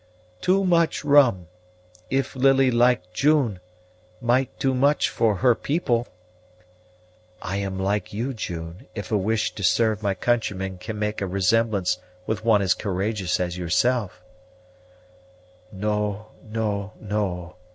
"Too much rum. If Lily like June, might do much for her people." "I am like you, June, if a wish to serve my countrymen can make a resemblance with one as courageous as yourself." "No, no, no!"